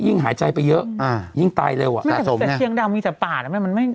หายใจไปเยอะอ่ายิ่งตายเร็วอ่ะแต่เชียงดำมีแต่ป่าน่ะแม่มันไม่